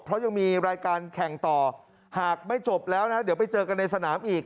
เพราะยังมีรายการแข่งต่อหากไม่จบแล้วนะเดี๋ยวไปเจอกันในสนามอีก